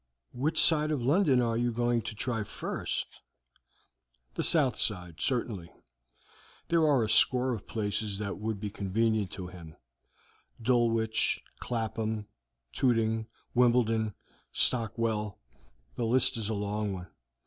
"Which side of London are you going to try first?" "The south side, certainly; there are a score of places that would be convenient to him Dulwich, Clapham, Tooting, Wimbledon, Stockwell; the list is a long one.